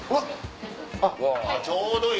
あっちょうどいい！